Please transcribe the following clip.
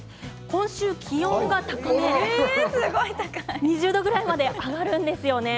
今週、気温が高め、２０度くらいまで上がるんですよね。